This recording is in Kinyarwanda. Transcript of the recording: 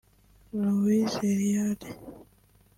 Louis Reard